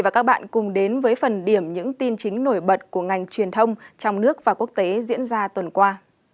và các bạn cùng đến với phần điểm những tin chính nổi bật của ngành truyền thông trong nước và quốc tế diễn ra tuần qua